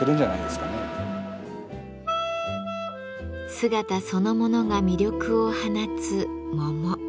姿そのものが魅力を放つ桃。